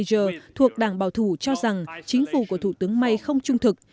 cựu thủ tướng anh john mayer thuộc đảng bảo thủ cho rằng chính phủ của thủ tướng may không trung thực